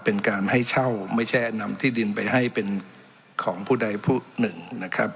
เป็นการให้เช่าไม่ใช่นำที่ดินไปให้เป็นของผู้ใดผู้หนึ่งนะครับ